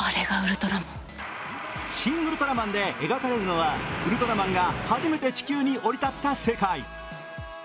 「シン・ウルトラマン」で描かれるのはウルトラマンが初めて地球に降り立った世界。